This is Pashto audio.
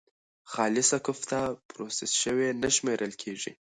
خالصه کوفته پروسس شوې نه شمېرل کېږي.